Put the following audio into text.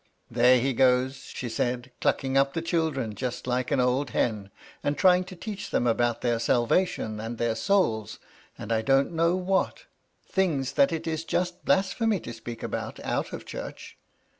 " There he goes," she said, " clucking up the chil dren just like an old hen, and trying to teach them about their salvation and their souls, and I don't know what — things that it is just blasphemy to speak about out of church.